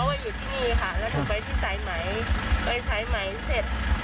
แล้วเขาไปที่สายไหมไปสายไหมเสร็จ